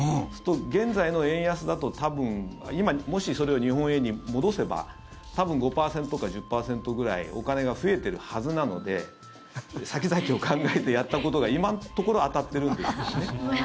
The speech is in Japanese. すると、現在の円安だと多分今、もしそれを日本円に戻せば多分、５％か１０％ぐらいお金が増えてるはずなので先々を考えてやったことが今のところ当たってるんですよね。